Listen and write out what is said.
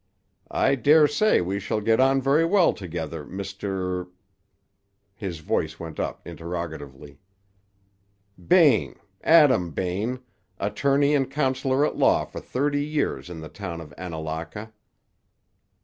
"I dare say we shall get on very well together, Mr.—" his voice went up interrogatively. "Bain, Adam Bain, attorney and counselor at law for thirty years in the town of Annalaka."